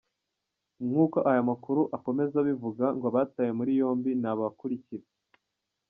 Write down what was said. Nk’uko ayo makuru akomeza abivuga ngo abatawe muri yombi ni abakurikira: